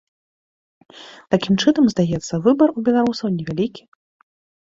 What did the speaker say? Такім чынам, здаецца, выбар у беларусаў невялікі?